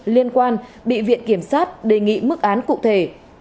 liên quan bị viện kiểm sát đề nghị mức án cụ thể